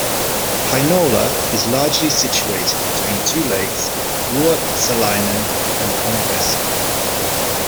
Heinola is largely situated between two lakes, Ruotsalainen and Konnivesi.